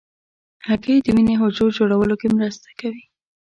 هګۍ د وینې حجرو جوړولو کې مرسته کوي.